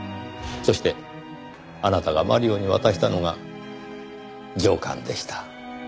そしてあなたがマリオに渡したのが上巻でした。